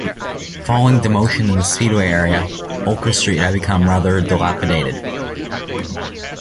Following demotion and the speedway era, Holker Street had become rather dilapidated.